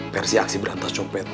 versi aksi berantas copet